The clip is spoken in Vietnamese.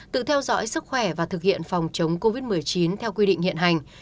tự theo dõi sức khỏe và thực hiện phòng chống covid một mươi chín theo quy định hiện hành